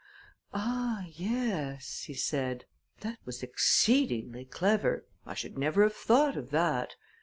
"Ah, yes," he said. "That was exceedingly clever. I should never have thought of that.